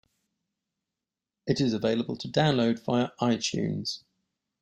It is available to download via iTunes.